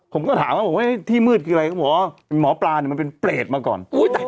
ผมก็ถามว่าเว้นที่มืดคืออะไรหมอล์หมอปลานมันเป็นเปรตมาก่อน